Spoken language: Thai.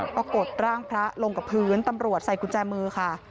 กดร่างพระลงกับพื้นตำรวจใส่กุญแจมือค่ะ